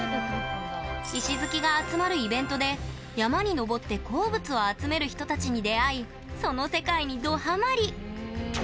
石好きが集まるイベントで山に登って鉱物を集める人たちに出会いその世界に、どハマり。